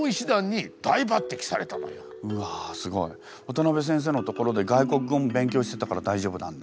渡部先生の所で外国語も勉強してたから大丈夫なんだ。